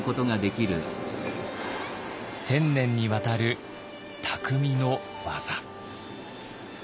１，０００年にわたる匠の技。